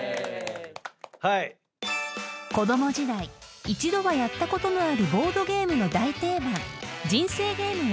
［子ども時代一度はやったことのあるボードゲームの大定番人生ゲームを］